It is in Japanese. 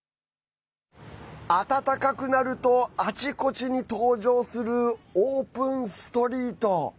暖かくなるとあちこちに登場するオープン・ストリート。